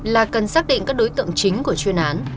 là cần xác định các đối tượng chính của chuyên án